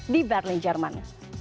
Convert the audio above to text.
di berlin jerman